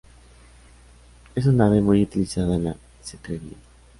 Es un ave muy utilizada en la cetrería.